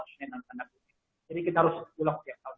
jadi kita harus ulang setiap tahun